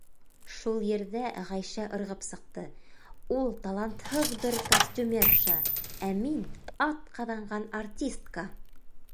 Шул ерҙә Ғәйшә ырғып сыҡты: «Ул талантһыҙ бер костюмерша, ә мин атҡаҙанған артистка!»